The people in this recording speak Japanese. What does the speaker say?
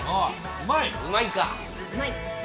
うまいか。